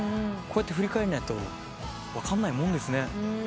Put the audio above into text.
こうやって振り返んないと分かんないもんですね。